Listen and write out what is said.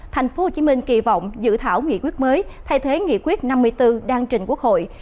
tp hcm kỳ vọng dự thảo nghị quyết mới thay thế nghị quyết năm mươi bốn đang trình quốc hội